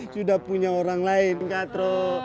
sudah punya orang lain katro